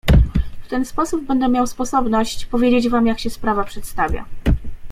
"W ten sposób będę miał sposobność powiedzieć wam, jak się sprawa przedstawia."